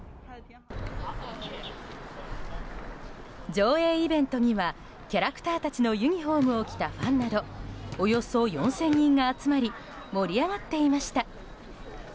上映イベントにはキャラクターたちのユニホームを着たファンなどおよそ４０００人が集まり盛り上がっていました。